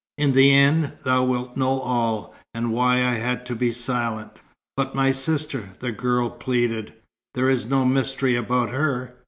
"In the end, thou wilt know all, and why I had to be silent." "But my sister?" the girl pleaded. "There is no mystery about her?